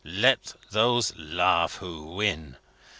Let those laugh who win.